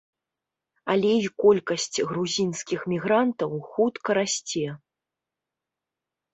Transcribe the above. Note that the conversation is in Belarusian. Але і колькасць грузінскіх мігрантаў хутка расце.